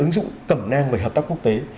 ứng dụng cẩm nang về hợp tác quốc tế